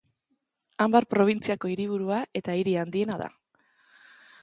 Anbar probintziako hiriburua eta hiri handiena da.